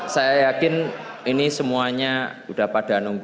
capres dukungannya psi siapa toh